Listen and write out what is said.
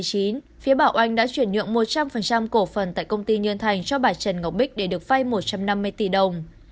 phía bảo oanh đã chuyển nhượng một trăm linh cổ phần tại công ty nhân thành cho bà trần ngọc bích để được vay một trăm năm mươi tỷ đồng